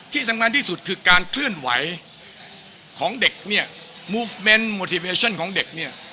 ที่สำคัญที่สุดคือการเคลื่อนไหวของเด็กเนี่ย